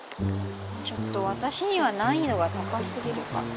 ちょっと私には難易度が高すぎるかな。